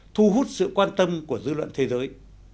thu hút sự quan tâm của dư luận thế giới